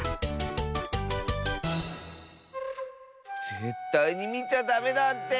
ぜったいにみちゃダメだって。